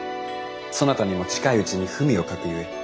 そなたにも近いうちに文を書くゆえ。